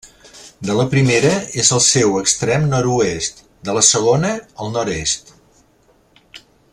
De la primera és el seu extrem nord-oest, de la segona, el nord-est.